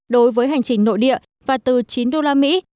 đối với hành trình nội địa và từ chín đô la mỹ